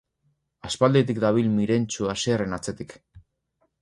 Aspalditik dabil Mirentxu Asierren atzetik.